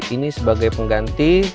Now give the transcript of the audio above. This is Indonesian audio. ini sebagai pengganti